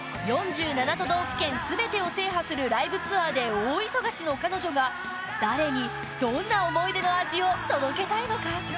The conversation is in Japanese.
４７都道府県全てを制覇するライブツアーで大忙しの彼女が誰にどんな想い出の味を届けたいのか？